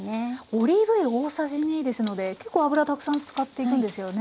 オリーブ油大さじ２ですので結構油たくさん使っていくんですよね。